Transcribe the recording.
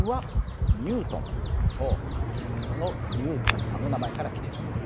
そうあのリンゴのニュートンさんの名前から来てるんだ。